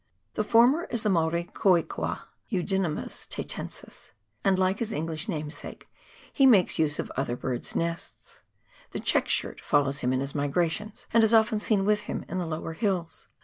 The former is the Maori koe koea {Eudynamys taitensis), and like his English namesake, he makes use of other birds' nests. The " check shirt " follows him in his migrations, and is often seen with him in the lower hills.